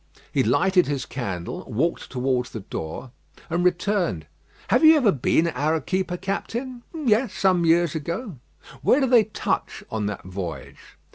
He lighted his candle, walked towards the door, and returned. "Have you ever been at Arequipa, Captain?" "Yes; some years ago." "Where do they touch on that voyage?"